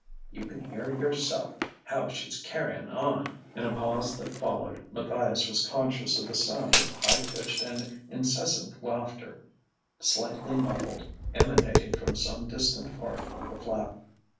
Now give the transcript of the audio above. You can hear yourself how she's carrying on." In a pause that followed, Matthias was conscious of the sound of high pitched and incessant laughter, slightly muffled, emanating from some distant part of the flat.